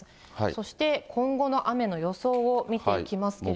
そして今後の雨の予想を見ていきますけれども。